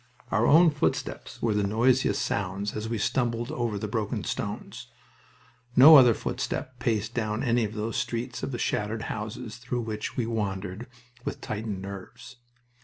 Our own footsteps were the noisiest sounds as we stumbled over the broken stones. No other footstep paced down any of those streets of shattered houses through which we wandered with tightened nerves.